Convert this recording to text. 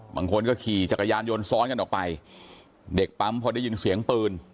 บางคนก็ขี่จักรยานยนต์ซ้อนกันออกไปเด็กปั๊มพอได้ยินเสียงปืน